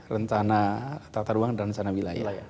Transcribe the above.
rencana tata ruang dan rencana wilayah